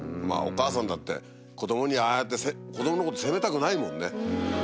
まぁお母さんだって子供にああやって子供のこと責めたくないもんね。